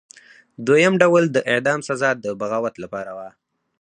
دویم ډول د اعدام سزا د بغاوت لپاره وه.